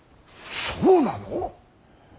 そうなの！？